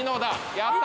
やった！